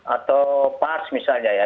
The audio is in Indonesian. atau pas misalnya ya